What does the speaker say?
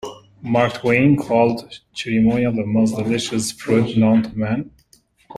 Mark Twain called the cherimoya "the most delicious fruit known to men".